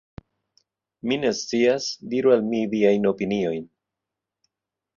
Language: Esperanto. Mi ne scias. Diru al mi viajn opiniojn.